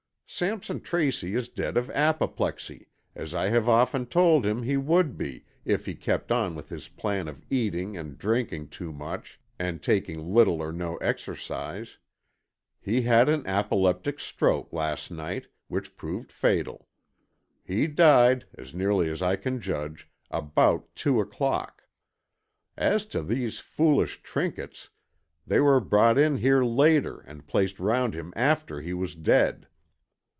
Sampson Tracy is dead of apoplexy, as I have often told him he would be, if he kept on with his plan of eating and drinking too much and taking little or no exercise. He had an apoplectic stroke last night which proved fatal. He died, as nearly as I can judge, about two o'clock. As to these foolish trinkets, they were brought in here later and placed round him after he was dead.